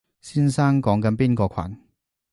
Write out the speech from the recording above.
先生講緊邊個群？